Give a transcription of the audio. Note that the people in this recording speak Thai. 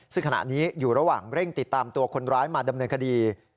ซึ่งขณะนี้อยู่ระหว่างเร่งติดตามตัวคนร้ายมาดำเนินคดี